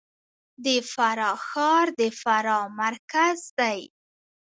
د فراه ښار د فراه مرکز دی